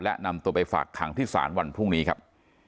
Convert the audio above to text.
และนำตัวไปฝากขังที่ศาลวันพรุ่งนี้ครับ